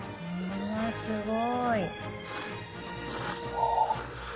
うわっすごい。